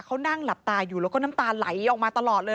เขานั่งหลับตาอยู่แล้วก็น้ำตาไหลออกมาตลอดเลย